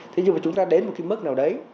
thế nhưng mà chúng ta đến một cái mức nào đấy